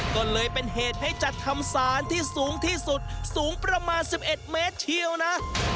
ก็เลยเป็นเหตุให้จัดทำสารที่สูงที่สุดสูงประมาณ๑๑เมตรเชียวนะ